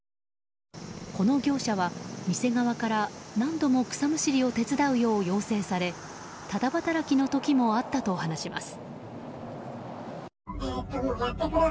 この業者は店側から何度も草むしりを手伝うよう要請されタダ働きの時もあったと話します。